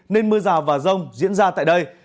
nên mưa rào và rông diễn ra tại đây